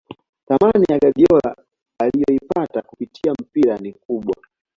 Thamani ya Guardiola aliyoipata kupitia mpira ni kubwa